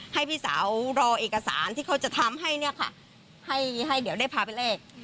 ให้พี่สาวรอเอกสารที่เขาจะทำให้เนี่ยค่ะให้ให้เดี๋ยวได้พาไปแลก